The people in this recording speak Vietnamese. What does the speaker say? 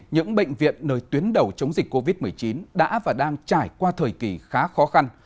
những bệnh viện nơi tuyến đầu chống dịch covid một mươi chín đã và đang trải qua thời kỳ khá khó khăn